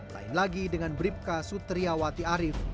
lain lagi dengan bribka sutriawati arief